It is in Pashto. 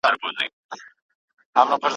هره شمع یې ژړیږي کابل راسي